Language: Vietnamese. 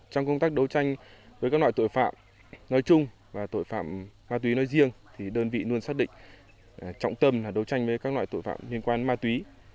trong công tác đấu tranh với các loại tội phạm nói chung và tội phạm ma túy nói riêng thì đơn vị luôn xác định trọng tâm là đấu tranh với các loại tội phạm liên quan ma túy